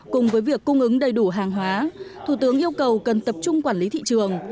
cùng với việc cung ứng đầy đủ hàng hóa thủ tướng yêu cầu cần tập trung quản lý thị trường